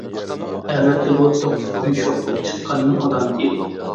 ئەلۋەتتە بۇ توقلۇقتىن شوخلۇق چىققانلىقىنىڭ ئالامىتى ئىدى.